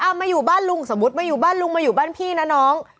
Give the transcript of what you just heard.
มาอยู่บ้านลุงสมมุติมาอยู่บ้านลุงมาอยู่บ้านพี่นะน้อง